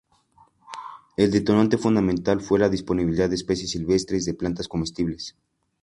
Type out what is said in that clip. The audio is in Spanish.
El detonante fundamental fue la disponibilidad de especies silvestres de plantas comestibles.